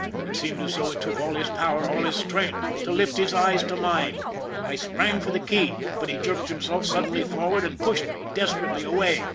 It seemed as though it took all his power, all his strength, to lift his eyes to mine. I sprang for the key, but he jerked himself suddenly forward and pushed me desperately away.